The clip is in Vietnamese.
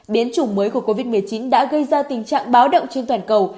biến chủng mới của covid một mươi chín đã gây ra tình trạng báo động trên toàn cầu